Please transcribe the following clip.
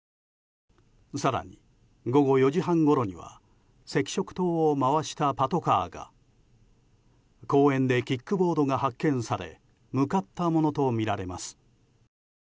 更に、午後４時半ごろには赤色灯を回したパトカーが公園でキックボードが発見され向かったものとみられます。